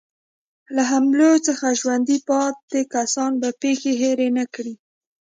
له حملو څخه ژوندي پاتې کسان به پېښې هېرې نه کړي.